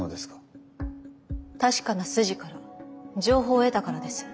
確かな筋から情報を得たからです。